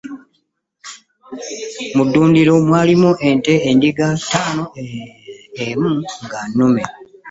Mu ddundiro mwalimu ente endiga ttaano emu nga nnume.